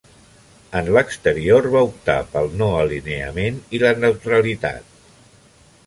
En l'exterior va optar pel no alineament i la neutralitat.